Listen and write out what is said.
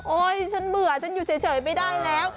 ฉันเบื่อฉันอยู่เฉยไม่ได้แล้ว